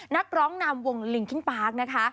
นักร้องนามวงลิงคินพาร์คนะคะ